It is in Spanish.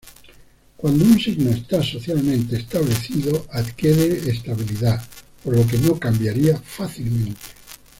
Cuando un signo está socialmente establecido adquiere estabilidad, por lo que no cambiaría fácilmente.